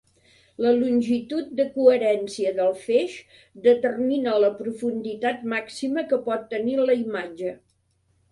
La longitud de coherència del feix determina la profunditat màxima que pot tenir la imatge.